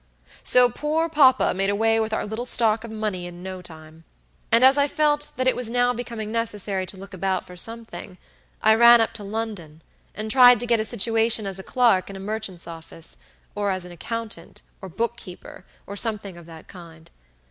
So poor papa made away with our little stock of money in no time; and as I felt that it was now becoming necessary to look about for something, I ran up to London, and tried to get a situation as a clerk in a merchant's office, or as accountant, or book keeper, or something of that kind.